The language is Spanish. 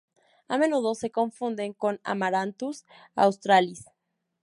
A menudo se confunde con "Amaranthus australis".